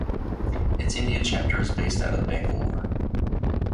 Its India chapter is based out of Bangalore.